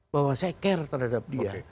bahwa saya care terhadap dia